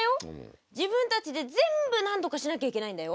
自分たちで全部なんとかしなきゃいけないんだよ。